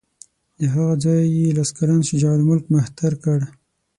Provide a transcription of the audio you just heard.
د هغه پر ځای یې لس کلن شجاع الملک مهتر کړ.